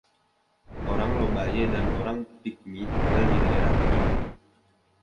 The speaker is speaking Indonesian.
Orang Lobaye dan orang Pigmi tinggal di daerah tersebut.